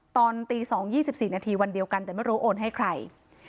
ตอนตี๒๒๔นาทีวันเดียวกันแต่ไม่รู้โอนให้ใคร